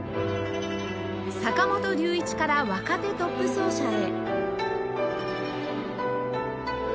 坂本龍一から若手トップ奏者へ